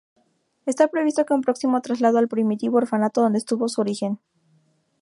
Está previsto un próximo traslado al primitivo orfanato donde estuvo en su origen.